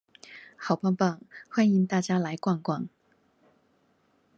好棒棒，歡迎大家來逛逛